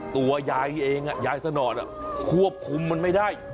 ตัวยายเองยายสนอดควบคุมมันไม่ได้